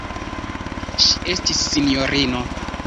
Ŝi estis sinjorino.